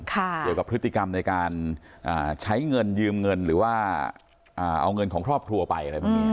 เกี่ยวกับพฤติกรรมในการใช้เงินยืมเงินหรือว่าเอาเงินของครอบครัวไปอะไรพวกนี้